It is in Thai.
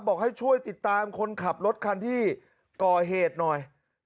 บอกให้ช่วยติดตามคนขับรถคันที่ก่อเหตุหน่อย